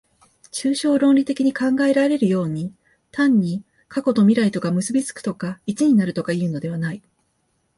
抽象論理的に考えられるように、単に過去と未来とが結び附くとか一になるとかいうのではない。